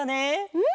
うん！